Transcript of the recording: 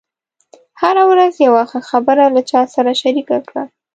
هره ورځ یوه ښه خبره له چا سره شریکه کړه.